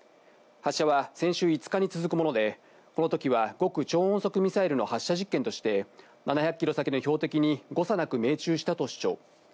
発射は先週５日に続くもので、この時は極超音速ミサイルの発射実験として７００ｋｍ先の標的に誤差なく命中したと主張。